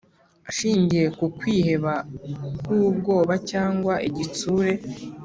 ashingiye ku kwiheba, ku bwoba cyangwa igitsure